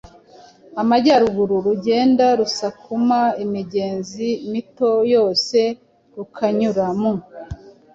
Amajyaruguru. Rugenda rusakuma imigezi mito yose, rukanyura m